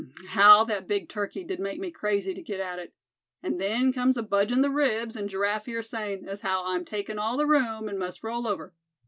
how that big turkey did make me crazy to get at it. And then comes a budge in the ribs, and Giraffe here sayin' as how I'm takin' all the room, an' must roll over.